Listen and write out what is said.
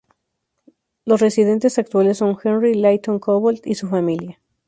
Los residentes actuales son Henry Lytton-Cobbold y su familia.